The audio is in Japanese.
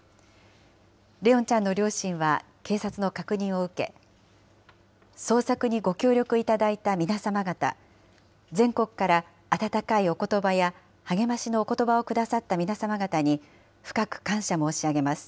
怜音ちゃんの両親は、警察の確認を受け、捜索にご協力いただいた皆様方、全国から温かいおことばや励ましのおことばをくださった皆様方に深く感謝申し上げます。